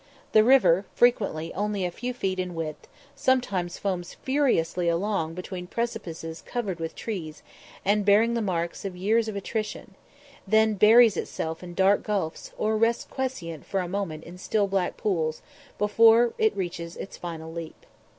The river, frequently only a few feet in width, sometimes foams furiously along between precipices covered with trees, and bearing the marks of years of attrition; then buries itself in dark gulfs, or rests quiescent for a moment in still black pools, before it reaches its final leap.